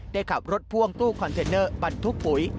ได้ขับรถพ่วงตู้คอนเทนเนอร์บรรทุกปุ๋ย